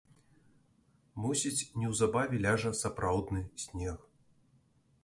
Мусіць, неўзабаве ляжа сапраўдны снег.